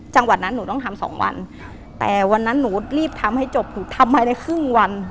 จังหวัดนั้นหนูต้องทำสองวันแต่วันนั้นหนูรีบทำให้จบหนูทำภายในครึ่งวัน